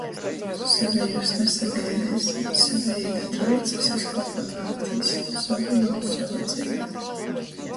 Sovejūs nasagaideisi, sovejī da Troicys iz kopu naatīs, sovejim sova dzeive.